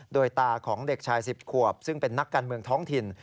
โดยตาของเด็กชาย๑๐ขวบซึ่งเป็นนักการเมืองท้องถิ่น